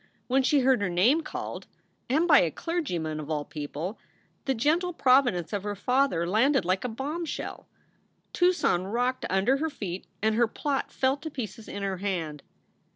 When she heard her name called, and by a clergyman, of all people, the gentle providence of her father landed like a bombshell. Tucson rocked under her feet and her plot fell to pieces in her hand.